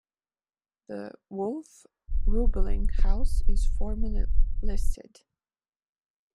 The Wolf-Ruebeling House is formerly listed.